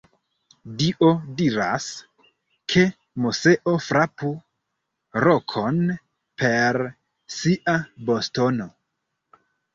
Dio diras, ke Moseo frapu rokon per sia bastono.